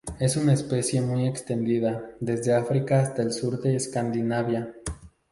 Es una especie muy extendida, desde África hasta el sur de Escandinavia.